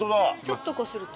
ちょっとこすると。